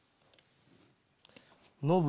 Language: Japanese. ノブ